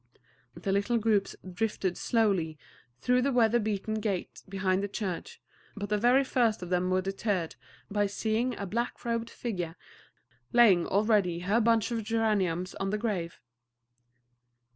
The little groups drifted slowly through the weatherbeaten gate behind the church, but the very first of them were deterred by seeing a black robed figure laying already her bunch of geraniums on the grave.